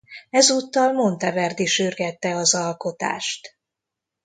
Ezúttal Monteverdi sürgette az alkotást.